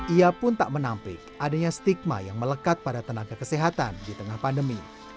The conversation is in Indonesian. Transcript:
ia pun tak menampik adanya stigma yang melekat pada tenaga kesehatan di tengah pandemi